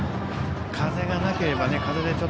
風がなければね。